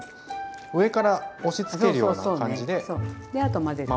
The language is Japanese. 上から押しつけるような感じで。